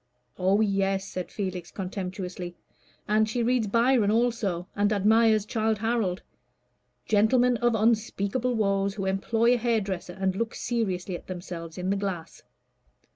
"Oh, yes," said Felix, contemptuously. "And she reads Byron also, and admires Childe Harold gentlemen of unspeakable woes, who employ a hairdresser, and look seriously at themselves in the glass."